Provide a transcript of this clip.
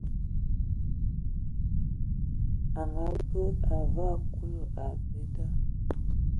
A ngaabɛ, a vǝǝ Kulu abɛ da.